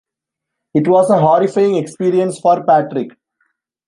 It was a horrifying experience for Patrick.